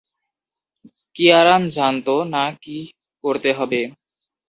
কিয়ারান জানতো না কি করতে হবে।